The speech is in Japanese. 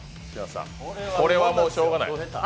これはもうしようがない。